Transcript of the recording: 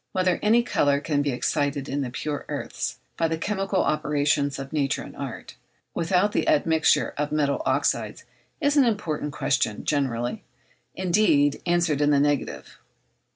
Whether any colour can be excited in the pure earths by the chemical operations of nature and art, without the admixture of metallic oxydes, is an important question, generally, indeed, answered in the negative.